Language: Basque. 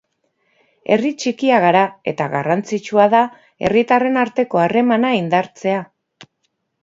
Herri txikia gara, eta garrantzitsua da herritarren arteko harremana indartzea.